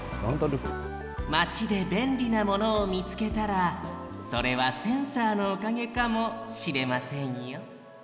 マチでべんりなものをみつけたらそれはセンサーのおかげかもしれませんよ